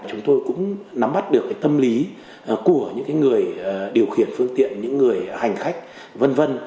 chúng tôi cũng nắm bắt được cái tâm lý của những cái người điều khiển phương tiện những người hành khách vân vân